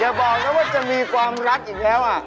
บอกนะว่าจะมีความรักอีกแล้ว